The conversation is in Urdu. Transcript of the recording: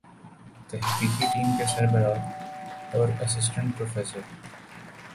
تحقیقی ٹیم کے سربراہ اور اسسٹنٹ پروفیسر